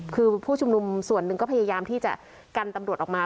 คือผู้ชุมนุมส่วนหนึ่งก็พยายามที่จะกันตำรวจออกมา